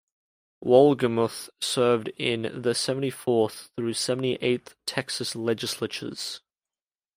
Wohlgemuth served in the Seventy-fourth through Seventy-eighth Texas Legislatures.